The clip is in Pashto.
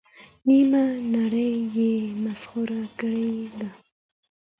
نیمه نړۍ یې مسحور کړې ده.